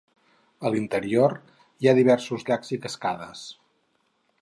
A l'interior, hi ha diversos llacs i cascades.